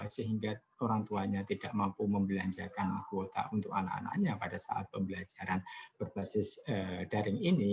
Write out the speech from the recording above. sehingga orang tuanya tidak mampu membelanjakan kuota untuk anak anaknya pada saat pembelajaran berbasis daring ini